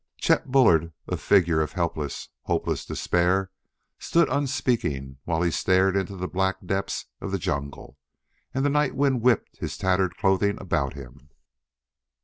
Chet Bullard, a figure of helpless, hopeless despair, stood unspeaking while he stared into the black depths of the jungle, and the night wind whipped his tattered clothing about him.